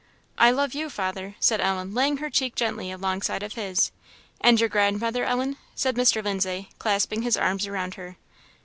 "I love you, father," said Ellen, laying her cheek gently alongside of his. "And your grandmother, Ellen?" said Mr. Lindsay, clasping his arms around her.